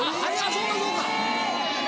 そうかそうか！え！